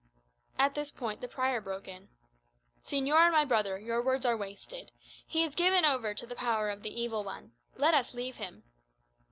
At this point the prior broke in. "Señor and my brother, your words are wasted. He is given over to the power of the evil one. Let us leave him."